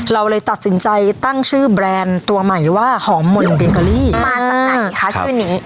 เราเลยตัดสินใจตั้งชื่อแบรนด์ตัวใหม่ว่าหอมมนเบเกอรี่มาจากไหนคะชื่อนี้